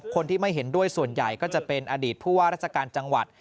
คนที่ไม่เห็นด้วยส่วนใหญ่ก็จะเป็นอดีตผู้ว่าราชการจังหวัด